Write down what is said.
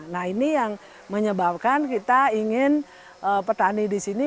nah ini yang menyebabkan kita ingin petani di sini